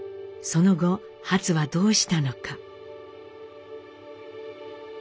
その後ハツはどうしたのか？